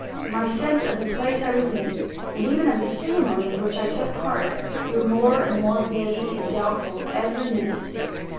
My sense of the place I was in, and even of the ceremony in which I took part, grew more and more vague and doubtful every minute.